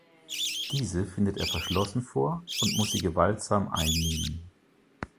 Diese findet er verschlossen vor und muss sie gewaltsam einnehmen.